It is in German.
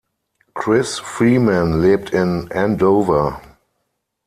Kris Freeman lebt in Andover.